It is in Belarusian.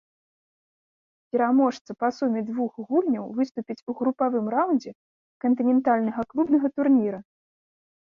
Пераможца па суме двух гульняў выступіць у групавым раўндзе кантынентальнага клубнага турніра.